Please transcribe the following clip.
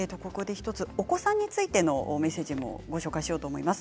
お子さんについてのメッセージもご紹介しようと思います。